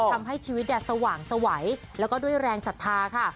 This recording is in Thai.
ทำให้ชีวิตสว่างสวัยแล้วก็ด้วยแรงศรัทธาค่ะ